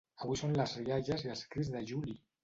Avui són les rialles i els crits de Juli!